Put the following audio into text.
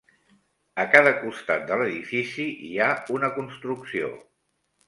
A cada costat de l'edifici hi ha una construcció.